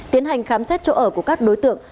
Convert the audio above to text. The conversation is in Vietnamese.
tiến hành khám xét chỗ ở của các đối tượng